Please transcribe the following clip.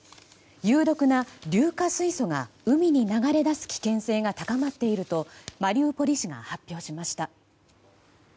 有毒な硫化水素が海に流れ出す危険性が高まっているとマリウポリ市が発表しました。